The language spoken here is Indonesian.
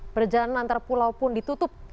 perjalanan antarpulau pun ditutup